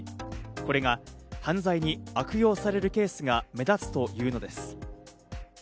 これが犯罪に悪用されるケースが目立つというのです。